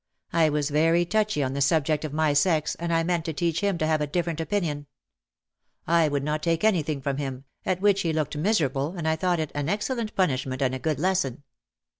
I was very touchy on the subject of my sex and I meant to teach him to have a different opinion. I would not take anything from him, at which he looked miserable and I thought it an excellent punishment and a good lesson.